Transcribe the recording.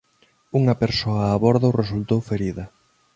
Unha persoa a bordo resultou ferida.